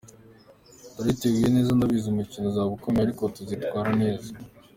Turayiteguye neza, ndabizi umukino uzaba ukomeye ariko tuzitwara neza.